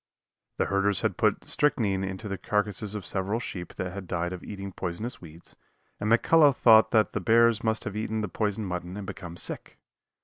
The herders had put strychnine into the carcasses of several sheep that had died of eating poisonous weeds, and McCullough thought the bears must have eaten the poisoned mutton and become sick.